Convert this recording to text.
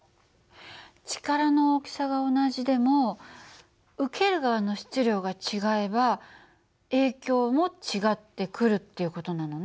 力の大きさが同じでも受ける側の質量が違えば影響も違ってくるっていう事なのね。